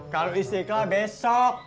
kalau istiqlal besok